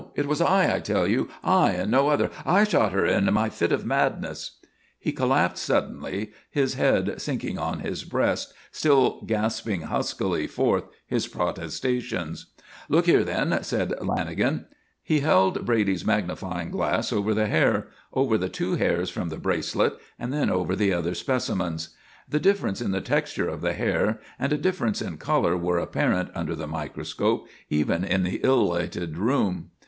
It was I, I tell you; I and no other! I shot her in my fit of madness!" He collapsed suddenly, his head sinking on his breast, still gasping huskily forth his protestations. "Look here, then," said Lanagan. He held Brady's magnifying glass over the hair over the two hairs from the bracelet and then over the other specimens. The difference in the texture of the hair and a difference in colour were apparent under the microscope even in the ill lighted room.